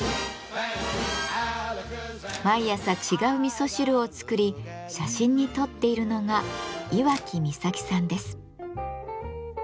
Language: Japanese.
毎朝違う味噌汁を作り写真に撮っているのが岩木みさきさんです。